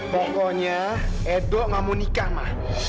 pokoknya edo gak mau nikah mah